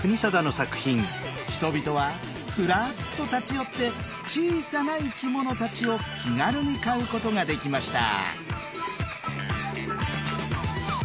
人々はふらっと立ち寄って小さな生き物たちを気軽に買うことができました。